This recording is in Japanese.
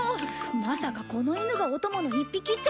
まさかこのイヌがお供の一匹ってこと？